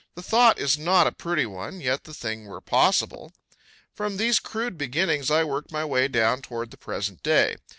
The thought is not a pretty one, yet the thing were possible. From these crude beginnings I worked my way down toward the present day.